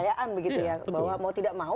jadi suatu kepercayaan begitu ya bahwa mau tidak mau